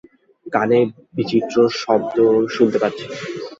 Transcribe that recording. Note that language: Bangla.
কানে বিচিত্র শব্দ শুনতে পাচ্ছি।